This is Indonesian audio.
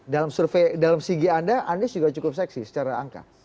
dalam survei dalam segi anda anies juga cukup seksi secara angka